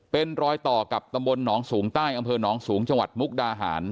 เป็นรอยตอกับตำบลนสูงใต้อนสูงจมุกดาหาร